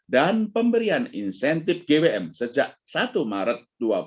dan pemberian insentif gwm sejak satu maret dua ribu dua puluh dua